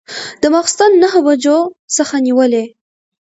د ماخوستن نهه بجو څخه نیولې.